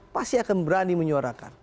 pasti akan berani menyuarakan